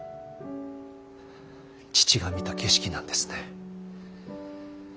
父が見た景色なんですね。